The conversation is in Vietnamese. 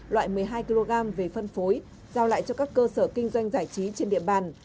loại một mươi hai kg về phân phối giao lại cho các cơ sở kinh doanh giải trí trên địa bàn